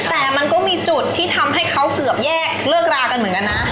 แต่มันก็มีจุดที่ทำให้เขาเกือบแยกเลิกรากันเหมือนกันนะ